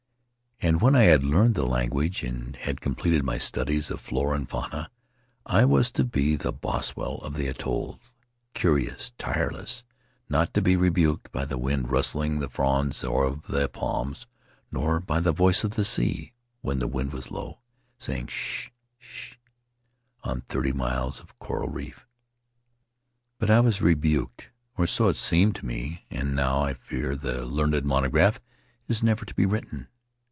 And when I had learned the language and had completed my studies of flora and fauna I was to be the Boswell of the atoll, curious, tireless, not to be rebuked by the wind rustling the fronds of the palms nor by the voice of the sea when the wind was low, saying, "Sh h h, sh h h," on thirty miles of coral reef. But I was rebuked — or so it seemed to me — and now, I fear, the learned monograph is never to be written.